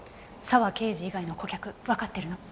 沢刑事以外の顧客わかってるの？